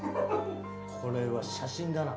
これは写真だな。